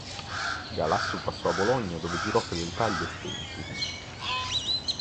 Galasso passò a Bologna dove giurò fedeltà agli Estensi.